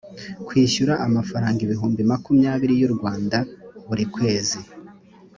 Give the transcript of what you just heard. kwishyura amafaranga ibihumbi makumyabiri y u rwanda frw buri kwezi